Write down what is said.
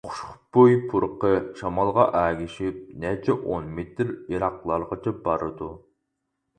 خۇشبۇي پۇرىقى شامالغا ئەگىشىپ نەچچە ئون مېتىر يىراقلارغىچە بارىدۇ.